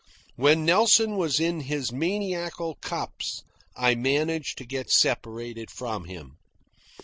When Nelson was in his maniacal cups, I managed to get separated from him.